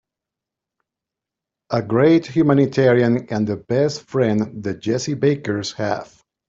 A great humanitarian and the best friend the Jessie Bakers have.